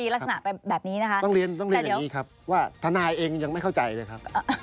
ลักษณะเป็นแบบนี้นะคะต้องเรียนต้องเรียนอย่างนี้ครับว่าทนายเองยังไม่เข้าใจเลยครับ